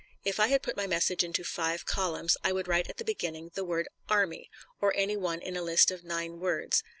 If I had put my message into five columns, I would write at the beginning the word "Army," or any one in a list of nine words.